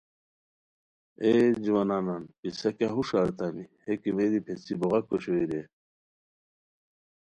اے جوانانان پِسہ کیہ ہوݰ اریتامی ہے کیمیری پیڅھی بوغاک اوشوئے رے؟